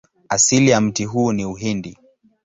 Asili ya mti huu ni Uhindi.